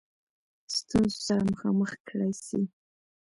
ستونزو سره مخامخ کړه سي.